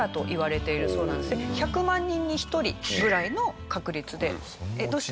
１００万人に１人ぐらいの確率で。